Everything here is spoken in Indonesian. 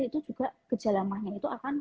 itu juga kejalamannya itu akan